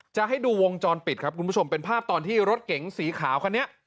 จะให้ดูวงจรปิดครับคุณผู้ชมเป็นภาพตอนที่รถเก๋งสีขาวคันนี้